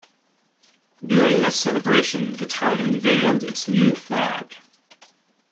During that celebration, the town unveiled its new flag.